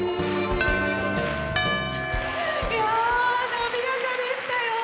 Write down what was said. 伸びやかでしたよ。